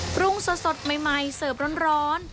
ปรุงสดใหม่เสิร์ฟร้อน